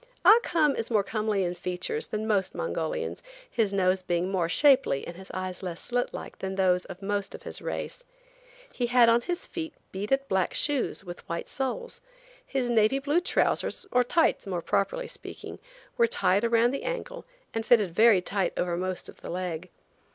Ah Cum is more comely in features than most Mongolians, his nose being more shapely and his eyes less slit like than those of most of his race. He had on his feet beaded black shoes with white soles. His navy blue trousers, or tights, more properly speaking, were tied around the ankle and fitted very tight over most of the leg.